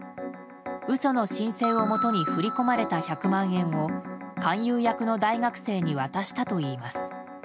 嘘の申請をもとに振り込まれた１００万円を勧誘役の大学生に渡したといいます。